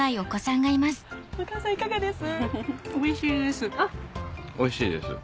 お母さんいかがです？